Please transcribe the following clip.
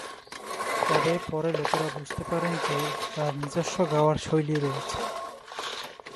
তবে পরে লোকেরা বুঝতে পারেন যে তার নিজস্ব গাওয়ার শৈলী রয়েছে।